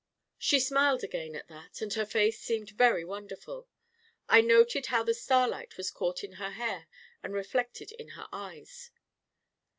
She smiled again at that, and her face seemed very wonderful. I noted how the starlight was caught in her hair and reflected in her eyes.